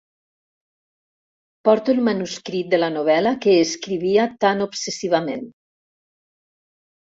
Porto el manuscrit de la novel·la que escrivia tan obsessivament.